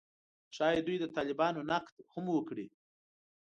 ښايي دوی د طالبانو نقد هم وکړي